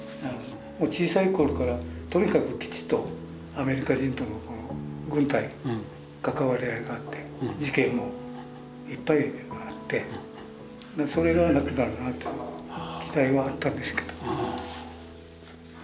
小さい頃からとにかく基地とアメリカ人との軍隊関わり合いがあって事件もいっぱいあってそれがなくなるかなという期待はあったんですけど。